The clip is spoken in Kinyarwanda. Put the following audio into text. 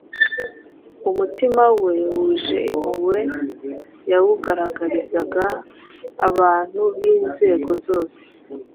Umutima we wuje impuhwe yawugaragarizaga abantu b’inzego zose.